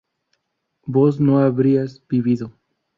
vos no habrías vivido